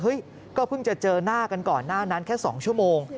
ก็เพิ่งจะเจอหน้ากันก่อนหน้านั้นแค่๒ชั่วโมง